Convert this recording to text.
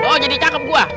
oh jadi cakep gua